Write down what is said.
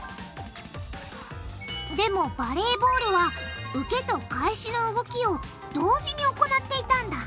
でもバレーボールは受けと返しの動きを同時に行っていたんだ